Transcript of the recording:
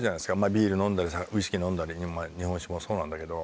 ビール飲んだりウイスキー飲んだり日本酒もそうなんだけど。